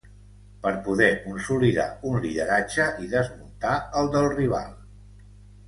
Per poder consolidar un lideratge i desmuntar el del rival.